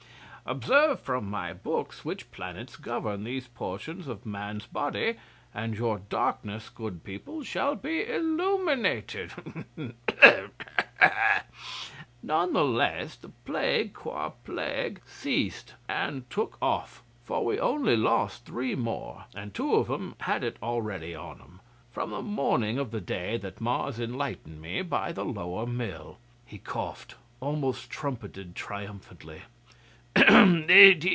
(Observe from my books which planets govern these portions of man's body, and your darkness, good people, shall be illuminated ahem!) None the less, the plague, qua plague, ceased and took off (for we only lost three more, and two of 'em had it already on 'em) from the morning of the day that Mars enlightened me by the Lower Mill.' He coughed almost trumpeted triumphantly.